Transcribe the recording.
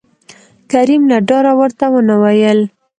کريم له ډاره ورته ونه ويل